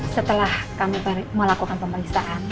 setelah kami melakukan pemeriksaan